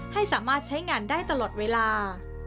ให้สามารถใช้งานได้ตลอดเวลา